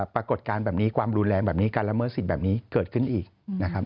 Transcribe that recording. ปรากฏการณ์แบบนี้ความรุนแรงแบบนี้การละเมิดสิทธิ์แบบนี้เกิดขึ้นอีกนะครับ